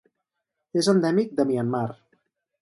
És endèmic de Myanmar.